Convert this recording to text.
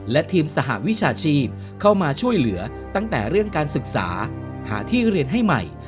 และทีมสหวิชาชีพเข้ามาช่วยเหลือตั้งแต่เรื่องการศึกษาหาที่เรียนให้ใหม่